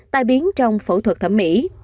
tám tài biến trong phẫu thuật thẩm mỹ